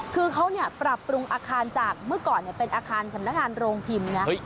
คือเขาปรับปรุงอาคารจากเมื่อก่อนเป็นอาคารสำนักงานโรงพิมพ์นะ